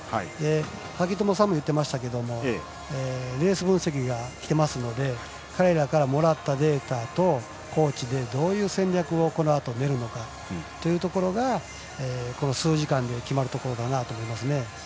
萩原さんも言っていましたけどレース分析が来てるので彼らからもらったデータとコーチで、どういう戦略をこのあと練るのかというところがこの数時間で決まるところかなと思います。